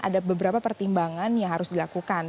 ada beberapa pertimbangan yang harus dilakukan